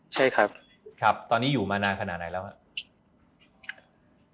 ใช่ครับครับตอนนี้อยู่มานานขนาดไหนแล้วครับ